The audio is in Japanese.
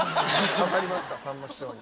刺さりましたさんま師匠に。